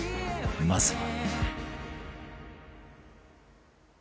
まずは